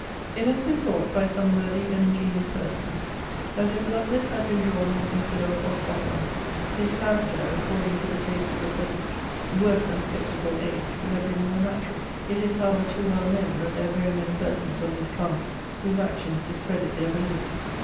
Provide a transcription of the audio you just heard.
It has been thought, by some worthy and ingenious persons, that if Lovelace had been drawn an infidel or scoffer, his character, according to the taste of the present worse than sceptical age, would have been more natural. It is, however, too well known, that there are very many persons, of his cast, whose actions discredit their belief.